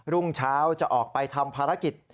รุ่งเช้าจะออกไปทำภารกิจ